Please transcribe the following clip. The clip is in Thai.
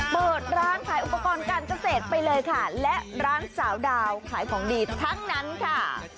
เปิดร้านขายอุปกรณ์การเกษตรไปเลยค่ะและร้านสาวดาวขายของดีทั้งนั้นค่ะ